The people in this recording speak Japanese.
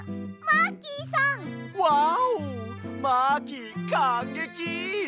マーキーかんげき！